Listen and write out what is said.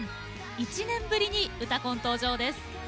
１年ぶりに「うたコン」登場です。